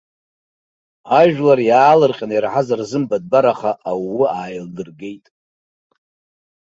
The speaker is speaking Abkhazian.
Ажәлар иаалырҟьан ираҳаз рзымбатәбараха ауу ааилдыргеит.